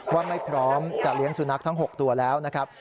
ว่าไม่พร้อมจะเลี้ยงสุนัขทั้ง๖ตัวแล้วนะครับ